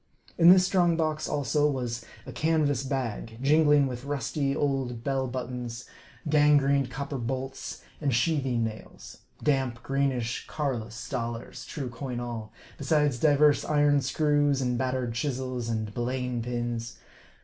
In this strong box, also, was a canvas bag, jingling with rusty old bell buttons, gangrened copper bolts, and sheathing nails ; damp, greenish Carolus dollars (true coin all), besides divers iron screws, and battered chisels, and belaying pins.